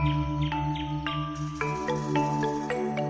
ketika dapur itu berfungsi